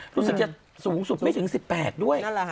รู้สึกจะสูงสุดไม่ถึง๑๘ด้วย